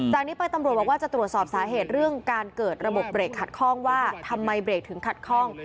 จากนี้ไปตำรวจบอกว่าจะตรวจสอบสาเหตุเรื่องการเกิดระบบเบรกขัดข้องว่าทำไมเบรกถึงขัดข้อง